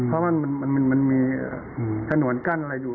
เพราะมันมีถนนกั้นอะไรอยู่